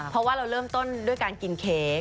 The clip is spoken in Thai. เพราะว่าเราเริ่มต้นด้วยการกินเค้ก